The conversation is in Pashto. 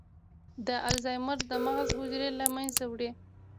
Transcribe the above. د الزایمر د مغز حجرې له منځه وړي.